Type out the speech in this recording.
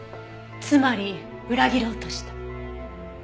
つまり裏切ろうとした？